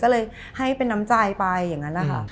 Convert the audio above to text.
ก็เลยให้เป็นน้ำใจไปอย่างนั้นนะคะ